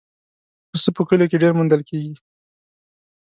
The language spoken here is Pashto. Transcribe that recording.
پسه په کلیو کې ډېر موندل کېږي.